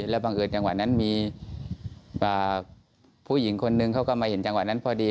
แล้วบังเอิญจังหวะนั้นมีผู้หญิงคนนึงเขาก็มาเห็นจังหวะนั้นพอดี